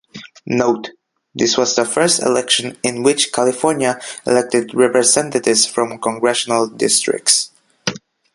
Note: This was the first election in which California elected representatives from congressional districts.